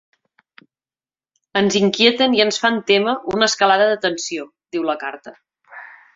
Ens inquieten i ens fan témer una escalada de tensió, diu la carta.